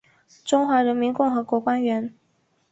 中华人民共和国官员。